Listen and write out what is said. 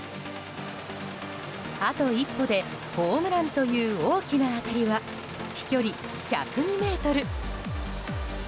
あと一歩でホームランという大きな当たりは飛距離１０２ｍ。